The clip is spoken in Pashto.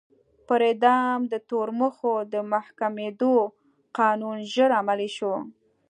پر اعدام د تورمخو د محکومېدو قانون ژر عملي شو.